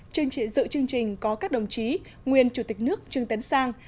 chương trị dự chương trình có các đồng chí nguyên chủ tịch nước trương tấn sang